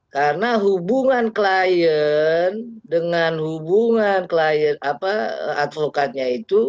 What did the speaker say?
karena hubungan klien dengan hubungan advokatnya itu